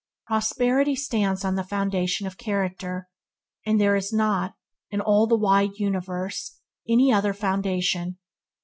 Prosperity stands on the foundation of character, and there is not, in all the wide universe, any other foundation.